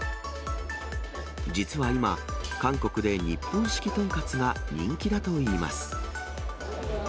実は今、韓国で日本式豚カツが人気だといいます。